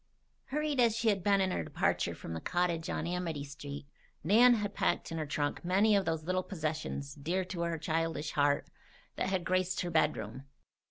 Hurried as she had been her departure from the cottage on Amity Street, Nan had packed in her trunk many of those little possessions, dear to her childish heart, that had graced her bedroom.